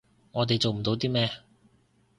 我哋做唔到啲咩